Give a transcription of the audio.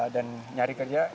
dan nyari kerja